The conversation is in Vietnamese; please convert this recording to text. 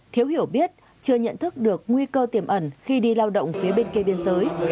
thiếu hiểu biết chưa nhận thức được nguy cơ tiềm ẩn khi đi lao động phía bên kia biên giới